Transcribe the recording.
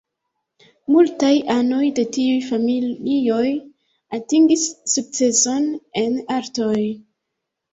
Multaj anoj de tiuj familioj atingis sukceson en artoj.